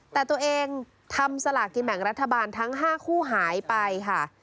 แต่ตัวเองทำสลากกินแบ่งรัฐบาลทั้ง๕คู่หายไปค่ะ